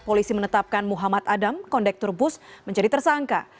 polisi menetapkan muhammad adam kondektur bus menjadi tersangka